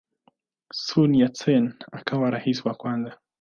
Sun Yat-sen akawa rais wa kwanza.